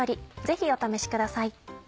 ぜひお試しください。